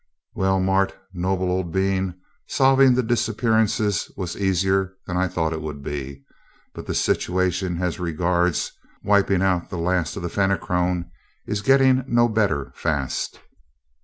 "Well, Mart, noble old bean, solving the disappearances was easier than I thought it would be; but the situation as regards wiping out the last of the Fenachrone is getting no better, fast."